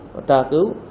và tra cứu